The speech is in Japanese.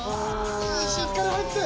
しっかり入って！